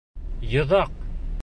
Йоҙаҡ!